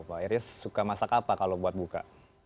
pak iris suka masak apa kalau buat buka